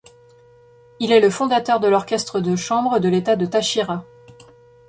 Il est le fondateur de l'Orchestre de chambre de l'État de Táchira.